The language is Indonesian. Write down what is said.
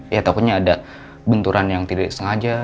ya takutnya ada benturan yang tidak sengaja